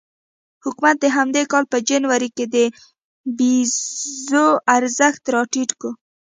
حکومت د همدې کال په جنوري کې د پیزو ارزښت راټیټ کړ.